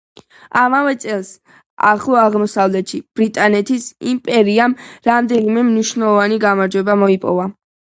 ამავე წელს, ახლო აღმოსავლეთში ბრიტანეთის იმპერიამ რამდენიმე მნიშვნელოვანი გამარჯვება მოიპოვა.